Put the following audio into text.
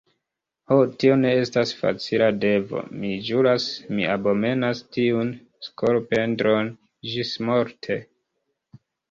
Ho, tio ne estas facila devo, mi ĵuras: mi abomenas tiun skolopendron ĝismorte.